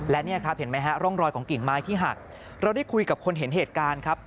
และเนี่ยครับเห็นไหมฮะร่องรอยของกิ่งไม้ที่หักเราได้คุยกับคนเห็นเหตุการณ์ครับ